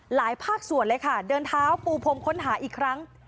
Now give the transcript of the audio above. ภาคส่วนเลยค่ะเดินเท้าปูพรมค้นหาอีกครั้ง